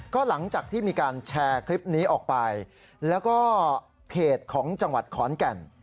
ก็หลังจากที่มีการแชร์คลิปนี้ออกไปแล้วก็เพจของจังหวัดขอนแก่น